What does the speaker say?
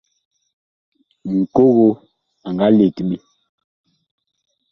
Ŋkogo a nga let ɓe.